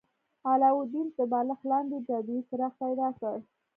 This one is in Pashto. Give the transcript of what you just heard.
علاوالدین د بالښت لاندې جادويي څراغ پیدا کړ.